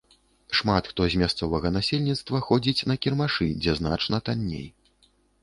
Шмат хто з мясцовага насельніцтва ходзіць на кірмашы, дзе значна танней.